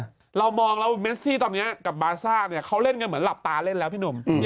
เรามองแล้วเมซี่ตอนนี้กับบาซ่าเนี่ยเขาเล่นกันเหมือนหลับตาเล่นแล้วพี่หนุ่ม